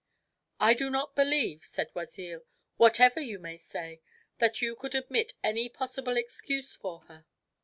"I do not believe," said Oisille, "whatever you may say, that you could admit any possible excuse for her."